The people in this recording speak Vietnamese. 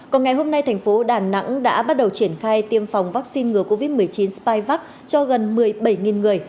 còn ngày hôm nay thành phố đà nẵng đã bắt đầu triển khai tiêm phòng vaccine ngừa covid một mươi chín spac cho gần một mươi bảy người